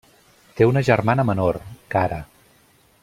Té una germana menor, Cara.